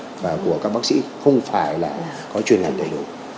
nhưng mà của các bác sĩ không phải là có chuyên ngành đầy đủ